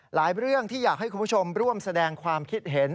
เรื่องที่อยากให้คุณผู้ชมร่วมแสดงความคิดเห็น